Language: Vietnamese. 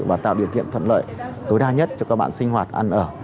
và tạo điều kiện thuận lợi tối đa nhất cho các bạn sinh hoạt ăn ở